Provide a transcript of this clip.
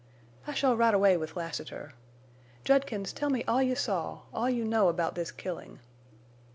"I shall ride away with Lassiter. Judkins, tell me all you saw—all you know about this killing."